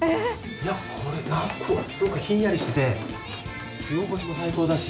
いやこれすごくひんやりしてて着心地も最高だし。